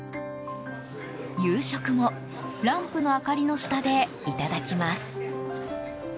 夕食も、ランプの明かりの下でいただきます。